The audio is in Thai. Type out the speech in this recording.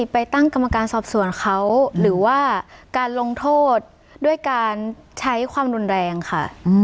ไปตั้งกรรมการสอบส่วนเขาหรือว่าการลงโทษด้วยการใช้ความรุนแรงค่ะ